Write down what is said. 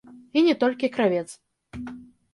І не толькі кравец.